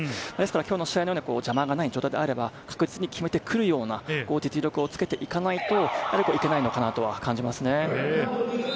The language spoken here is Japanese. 今日の試合ように邪魔がない状態であれば、確実に決めてくるような実力をつけていかないと行けないのかなと感じますね。